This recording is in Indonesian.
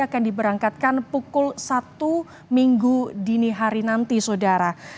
akan diberangkatkan pukul satu minggu dini hari nanti saudara